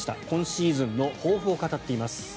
今シーズンの抱負を語っています。